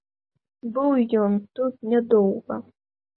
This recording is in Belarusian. Быў ён тут нядоўга.